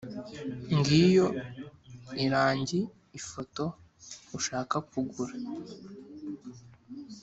ngiyo irangi ifoto ushaka kugura.